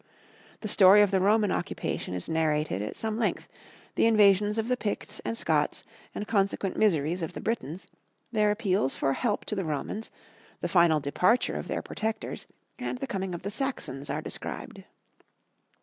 The story of the Roman occupation is narrated at some length, the invasions of the Picts and Scots and consequent miseries of the Britons, their appeals for help to the Romans, the final departure of their protectors, and the coming of the Saxons are described.